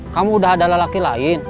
kamu udah adalah laki lain